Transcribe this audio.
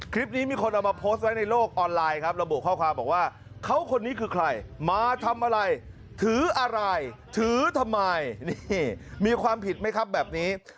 คลิปนี้มีคนเอามาโพสต์ไว้ในโลกออนไลน์ครับระบุข้อความบอกว่าเขาคนนี้คือใครมาทำอะไรถืออะไรถือทำไมนี่มีความผิดไหมครับแบบนี้